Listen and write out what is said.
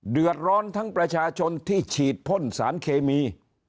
เดือดร้อนทั้งประชาชนที่ฉีดพ่นสารเคมี